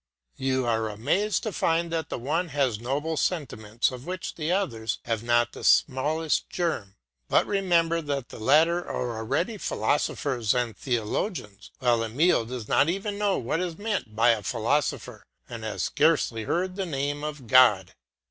You are amazed to find that the one has noble sentiments of which the others have not the smallest germ, but remember that the latter are already philosophers and theologians while Emile does not even know what is meant by a philosopher and has scarcely heard the name of God.